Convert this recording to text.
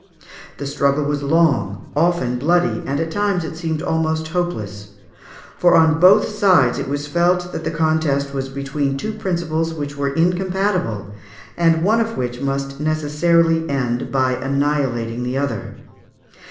The struggle was long, often bloody, and at times it seemed almost hopeless, for on both sides it was felt that the contest was between two principles which were incompatible, and one of which must necessarily end by annihilating the other.